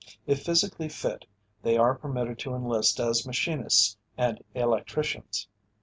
If physically fit they are permitted to enlist as machinists and electricians.